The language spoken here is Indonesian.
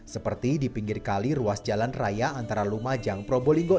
seperti di pinggir kali ruas jalan raya antara lumajang probolinggo